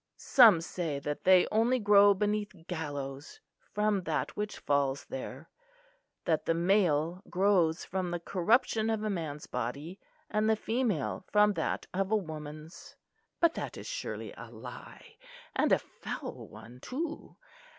Some say that they only grow beneath gallows from that which falls there; that the male grows from the corruption of a man's body; and the female from that of a woman's; but that is surely a lie, and a foul one, too.